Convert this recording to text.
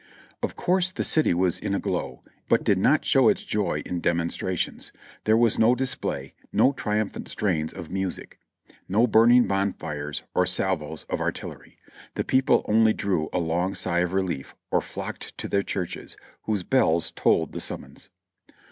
Of course the city was in a glow, but did not show its joy in demonstrations. There was no display, no triumphant strains of music, no burning bonfires or salvos of artillery; the people only drew a long sigh of relief, or flocked to their churches, whose bells tolled the summons.